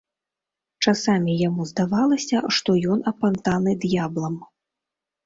Часамі яму здавалася, што ён апантаны д'яблам.